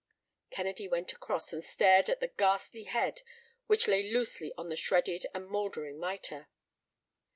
Kennedy went across, and stared at the ghastly head which lay loosely on the shredded and mouldering mitre.